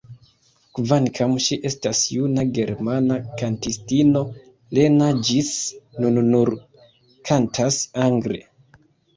Kvankam ŝi estas juna germana kantistino Lena ĝis nun nur kantas angle.